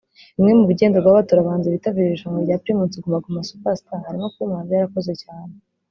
Bimwe mubigenderwaho batora abahanzi bitabira irushanwa rya Primus Guma Guma Super Star harimo kuba umuhanzi yarakoze cyane